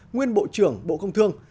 nguyên bộ trưởng bộ công thương